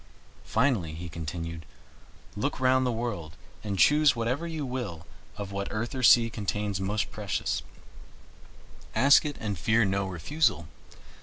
Finally," he continued, "look round the world and choose whatever you will of what earth or sea contains most precious ask it and fear no refusal.